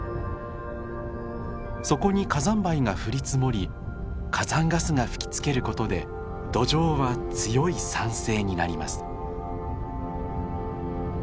そこに火山灰が降り積もり火山ガスが吹きつけることで土壌は強い酸性になります。